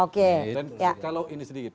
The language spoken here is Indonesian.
kalau ini sedikit